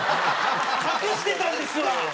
隠してたんですわ！